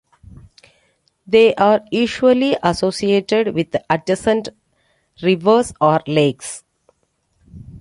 They are usually associated with adjacent rivers or lakes.